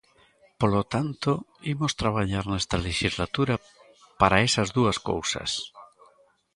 Polo tanto, imos traballar nesta lexislatura para esas dúas cousas.